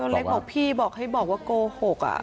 เล็กบอกพี่บอกให้บอกว่าโกหก